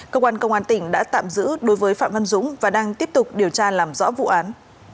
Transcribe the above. cơ quan công an tỉnh đã tạm giữ đối với phạm văn dũng và đang tiếp tục điều tra làm rõ vụ án